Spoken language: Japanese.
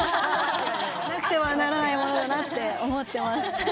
なくてはならないものだなって思ってます。